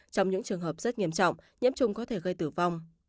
trong những trường hợp rất nghiêm trọng nhiễm trùng có thể gây tử vong